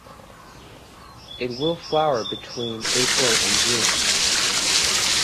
It will flower between April and June.